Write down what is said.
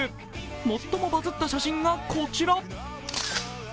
最もバズった写真が、こちら。